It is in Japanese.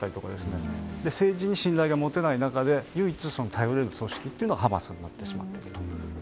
政治に信頼が持てない中で唯一頼れる組織というのがハマスになってしまうと。